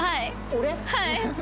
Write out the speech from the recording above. はい！